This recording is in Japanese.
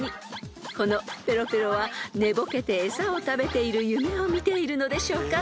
［このペロペロは寝ぼけて餌を食べている夢を見ているのでしょうか］